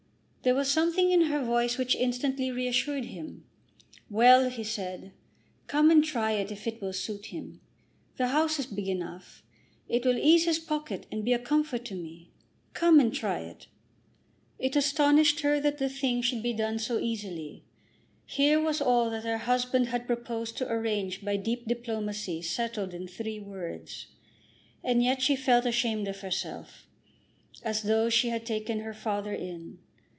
There was something in her voice which instantly reassured him. "Well ;" he said; "come and try it if it will suit him. The house is big enough. It will ease his pocket and be a comfort to me. Come and try it." It astonished her that the thing should be done so easily. Here was all that her husband had proposed to arrange by deep diplomacy settled in three words. And yet she felt ashamed of herself, as though she had taken her father in.